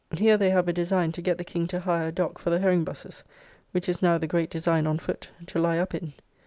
Here they have a design to get the King to hire a dock for the herring busses, which is now the great design on foot, to lie up in.